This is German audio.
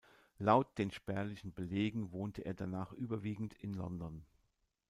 Laut den spärlichen Belegen wohnte er danach überwiegend in London.